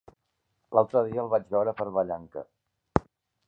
L'altre dia el vaig veure per Vallanca.